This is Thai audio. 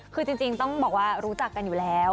คือจริงต้องบอกว่ารู้จักกันอยู่แล้ว